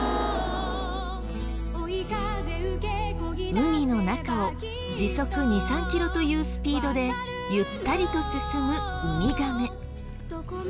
海の中を時速２３キロというスピードでゆったりと進むウミガメ。